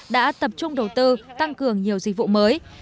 đã tập trung đầu tư tăng cường nhiều dịch vụ mới